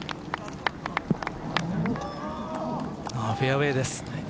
フェアウエーです。